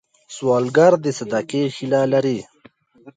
سوالګر د صدقې هیله لري